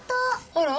あら。